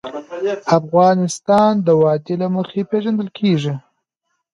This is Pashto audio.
افغانستان د وادي له مخې پېژندل کېږي.